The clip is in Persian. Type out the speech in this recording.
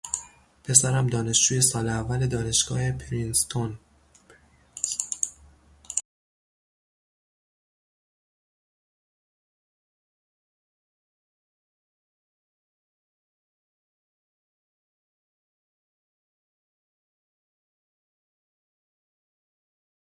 پسرم دانشجوی سال اول دانشگاه پرینستون بود.